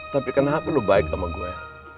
tapi kenapa lu baik sama gue